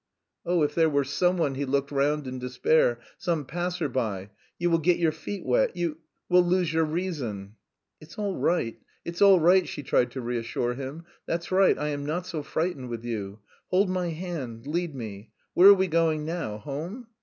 "Oh, if there were someone," he looked round in despair. "Some passer by! You will get your feet wet, you... will lose your reason!" "It's all right; it's all right," she tried to reassure him. "That's right. I am not so frightened with you. Hold my hand, lead me.... Where are we going now? Home?